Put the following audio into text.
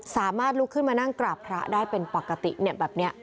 สามารถลุกขึ้นมานั่งกราบพระได้เป็นปกติแบบนี้